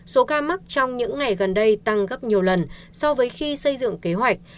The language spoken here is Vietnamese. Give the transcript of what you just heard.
số ca mắc trong những ngày gần đây tăng gấp nhiều lần so với khi xây dựng kế hoạch